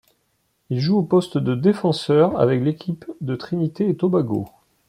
Il joue au poste de défenseur avec l'équipe de Trinité et Tobago.